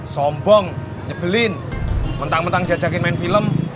sombong nyebelin mentang mentang diajakin main film